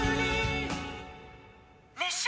・熱唱！